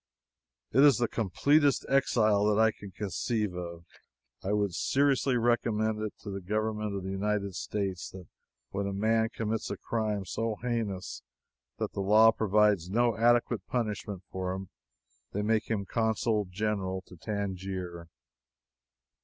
It is the completest exile that I can conceive of. I would seriously recommend to the government of the United States that when a man commits a crime so heinous that the law provides no adequate punishment for it, they make him Consul General to Tangier.